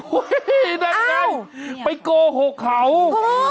อุ๊ยนั่นไงไปโกหกเขาอ้าวอ้าว